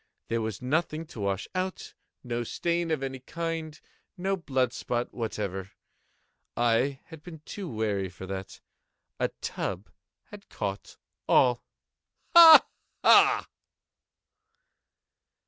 There was nothing to wash out—no stain of any kind—no blood spot whatever. I had been too wary for that. A tub had caught all—ha! ha!